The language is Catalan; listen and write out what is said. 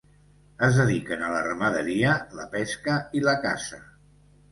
Es dediquen a la ramaderia, la pesca i la caça.